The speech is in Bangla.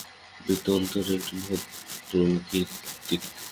বৃত্ত অনন্তের একটি মহৎ প্রতীক।